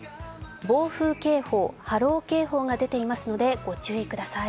暴風警報、波浪警報が出ているのでご注意ください。